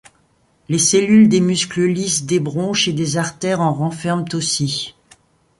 Les cellules des muscles lisses des bronches et des artères en renferment aussi.